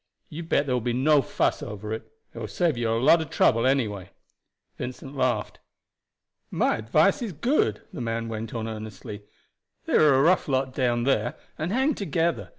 You bet there will be no fuss over it. It will save you a lot of trouble anyway." Vincent laughed. "My advice is good," the man went on earnestly. "They are a rough lot down there, and hang together.